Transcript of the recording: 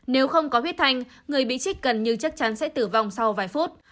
nếu không có huyết thanh người bị trích gần như chắc chắn sẽ tử vong sau vài phút